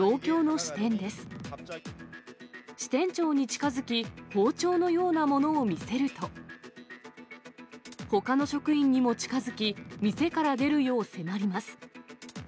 支店長に近づき、包丁のようなものを見せると、ほかの職員にも近づき、店から出るよう迫ります。